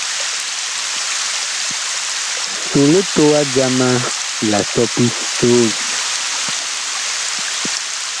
So litowa jama la sɔpi soon.